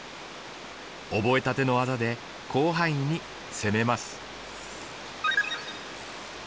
覚えたての技で広範囲に攻めます。